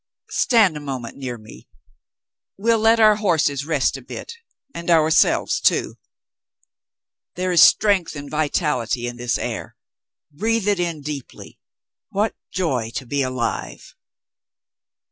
"Stand a moment near me. We'll let our horses rest a bit and ourselves, too. There is strength and vitality in this air ; breathe it in deeply. ^ATiat joy to be alive